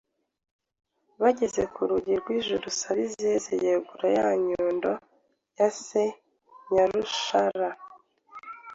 Bageze ku rugi rw'ijuru Sabizeze yegura ya nyundo ya se Nyarushara,